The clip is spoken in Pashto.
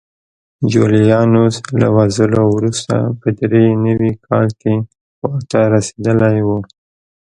جولیانوس له وژلو وروسته په درې نوي کال کې واک ته رسېدلی و